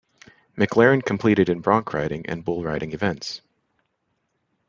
McLaren competed in bronc riding and bull riding events.